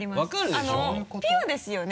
あのピュアですよね。